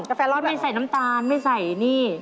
แฟร้อนไม่ใส่น้ำตาลไม่ใส่นี่